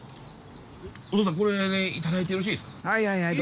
お父さんこれいただいてよろしいですか？